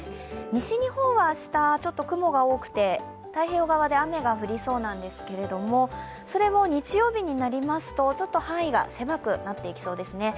西日本は明日、ちょっと雲が多くて太平洋側で雨が降りそうなんですけれども、それも日曜日になりますとちょっと範囲が狭くなっていきそうですね。